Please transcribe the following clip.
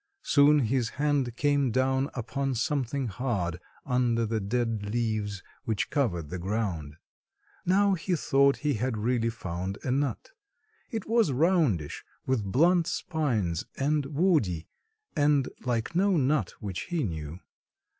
Soon his hand came down upon something hard under the dead leaves which covered the ground. Now he thought he had really found a nut. It was roundish, with blunt spines and woody, and like no nut which he knew.